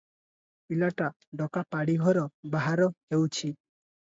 ପିଲାଟା ଡକା ପାଡ଼ି ଘର ବାହାର ହେଉଛି ।